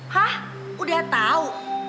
hah udah tahu